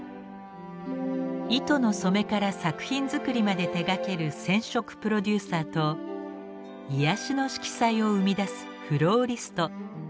糸の染めから作品作りまで手がける染織プロデューサーと癒やしの色彩を生み出すフローリスト。